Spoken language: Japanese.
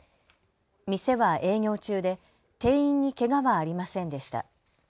店は営業中で店員にけがはありませんでした。